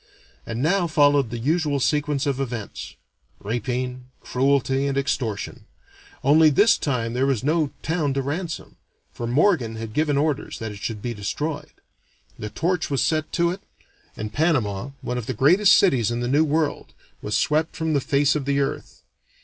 And now followed the usual sequence of events rapine, cruelty, and extortion; only this time there was no town to ransom, for Morgan had given orders that it should be destroyed. The torch was set to it, and Panama, one of the greatest cities in the New World, was swept from the face of the earth.